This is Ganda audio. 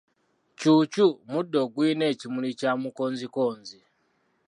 Kyukyu muddo ogulina ekimuli kya Mukonzikonzi.